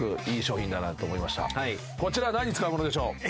こちら何に使うものでしょう？